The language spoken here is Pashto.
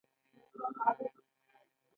دا قام نسل در نسل زده کړي وي